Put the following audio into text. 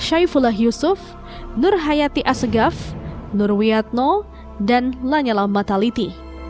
syaifullah yusuf nur hayati asegaf nur wiyatno dan lanyala mataliti